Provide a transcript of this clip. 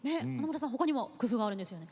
他にも工夫があるんですよね。